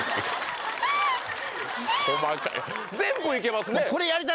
細かい全部いけますね